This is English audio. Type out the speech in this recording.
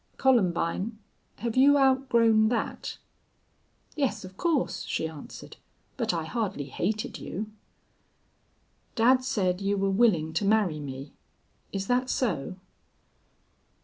Columbine, have you outgrown that?" "Yes, of course," she answered. "But I hardly hated you." "Dad said you were willing to marry me. Is that so?"